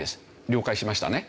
了解しましたね？